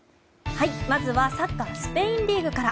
まずはサッカースペインリーグから。